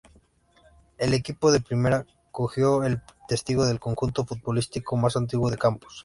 El equipo de Primera cogió el testigo del conjunto futbolístico más antiguo de Campos.